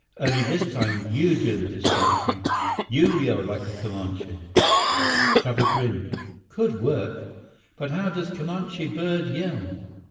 Only this time you do the distracting. You yell like a Comanche." 84 Chuba grinned. "Could work. But how does Comanche bird yell?"